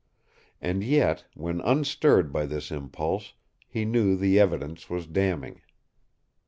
And yet, when unstirred by this impulse, he knew the evidence was damning.